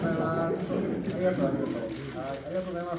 ありがとうございます。